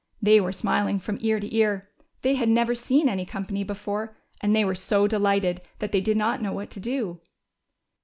They were smiling from ear to ear. They had neA^er seen any company before, and they were so delighted that they did not knoAV AA^hat to do.